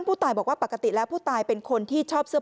แม่ของแม่แม่ของแม่